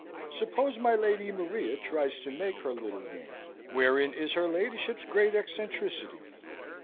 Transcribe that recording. Suppose my Lady Maria tries to make her little game, wherein is her ladyship's great eccentricity?